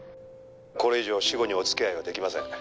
「これ以上私語にお付き合いは出来ません」